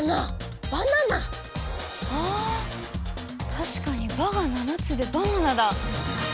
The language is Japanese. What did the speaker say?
たしかに「ば」が７つでバナナだ！